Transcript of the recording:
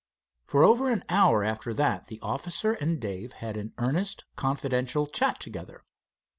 For over an hour after that the officer and Dave had an earnest, confidential chat together.